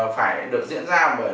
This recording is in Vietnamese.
phải được diễn ra bởi vì